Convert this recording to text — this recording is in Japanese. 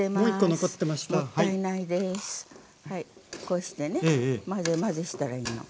こうしてね混ぜ混ぜしたらいいの。